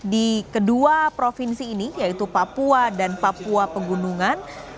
di kedua provinsi ini yaitu papua dan papua pegunungan